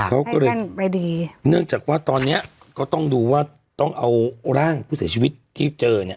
เขาก็เลยไม่ดีเนื่องจากว่าตอนเนี้ยก็ต้องดูว่าต้องเอาร่างผู้เสียชีวิตที่เจอเนี่ย